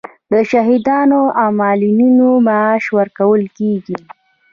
د شهیدانو او معلولینو معاش ورکول کیږي